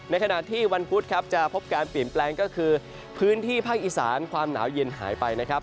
ขณะที่วันพุธครับจะพบการเปลี่ยนแปลงก็คือพื้นที่ภาคอีสานความหนาวเย็นหายไปนะครับ